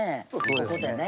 ここでね。